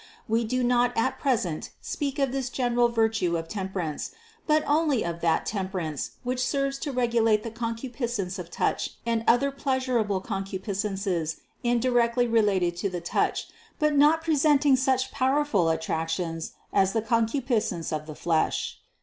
We do not at present speak of this general virtue of temperance, but only of that temperance which serves to regulate the con cupiscence of touch and other pleasurable concupiscences indirectly related to the touch, but not presenting such powerful attractions as the concupiscence of the flesh.